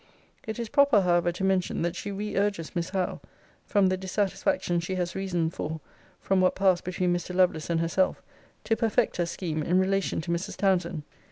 It is proper, however, to mention, that she re urges Miss Howe (from the dissatisfaction she has reason for from what passed between Mr. Lovelace and herself) to perfect her scheme in relation to Mrs. Townsend.